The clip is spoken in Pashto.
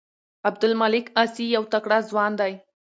عبدالمالک عاصي یو تکړه ځوان دی.